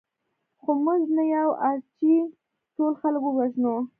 خو موږ نه یو اړ چې ټول خلک ووژنو